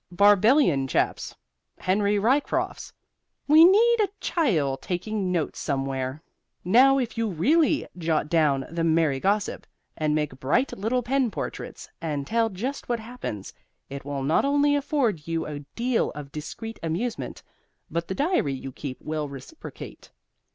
Barbellion chaps. Henry Ryecrofts. We need a chiel taking notes somewhere. Now if you really jot down the merry gossip, and make bright little pen portraits, and tell just what happens, it will not only afford you a deal of discreet amusement, but the diary you keep will reciprocate.